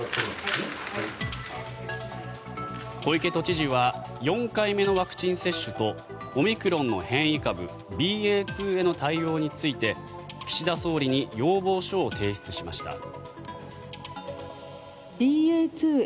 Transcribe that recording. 小池都知事は４回目のワクチン接種とオミクロンの変異株ＢＡ．２への対応について岸田総理に要望書を提出しました。